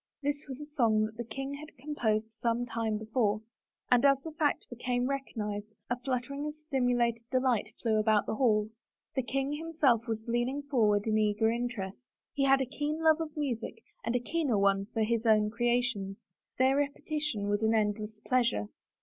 This was a song that the king had composed some time before, and as the fact became recognized a flut tering of stimulated delight flew about the hall. The king himself was leaning forward in eager interest. He had a keen love for music and a keener one for his own creations; their repetition was an endless pleasure.